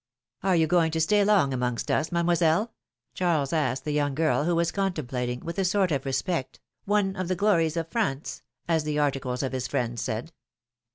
^^Are you going to stay long amongst us, Mademoiselle?" Charles asked the young girl, who was contemplating, with a sort of respect, ^^one of the glories of France," as the articles of his friends said.